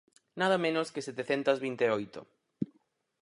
_Nada menos que setecentas vinteoito.